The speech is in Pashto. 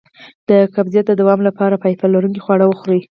د قبضیت د دوام لپاره فایبر لرونکي خواړه وخورئ